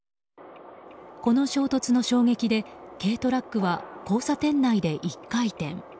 この衝突の衝撃で軽トラックは交差点内で１回転。